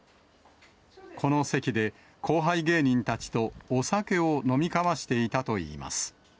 この席で、後輩芸人たちとお酒を飲み交わしていたといいます。